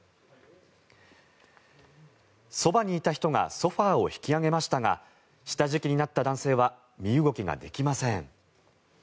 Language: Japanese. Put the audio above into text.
そばにいた人がソファを引き上げましたが下敷きになった男性は身動きができません。